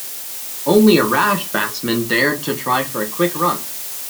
Only a rash batsman dared to try for a quick run.